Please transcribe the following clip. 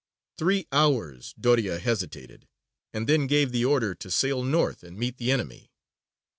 Three hours Doria hesitated, and then gave the order to sail north and meet the enemy.